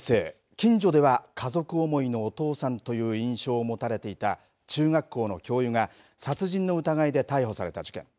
近所では家族思いのお父さんという印象を持たれていた中学校の教諭が殺人の疑いで逮捕された事件。